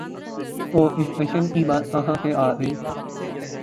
تو ڈکٹیشن کی بات کہاں سے آ گئی؟